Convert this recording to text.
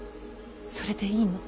それでいいの。